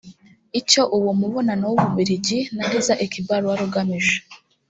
Icyo uwo mubonano w’Ububiligi na Riza Iqbal wari ugamije